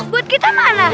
buat kita mana